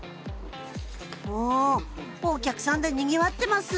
わお客さんでにぎわってます。